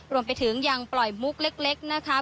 รวมไปถึงยังปล่อยมุกเล็กนะคะ